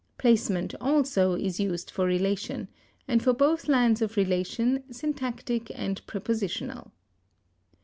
Placement, also, is used for relation, and for both lands of relation, syntactic and prepositional.